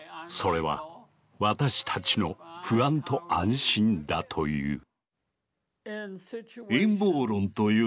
それは私たちの不安と安心だという。